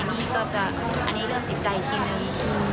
อันนี้เรื่องจิตใจที่หนึ่ง